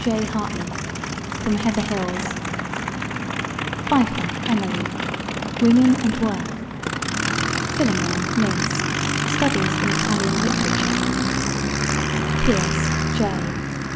J. HARTLEY: From Heather Hills PFEIFFER, EMILY: Women and Work PHILLIMORE, MISS: Studies in Italian Literature PIERCE, J.